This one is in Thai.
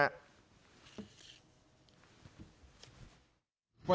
ทำมาแล้วนะฮะ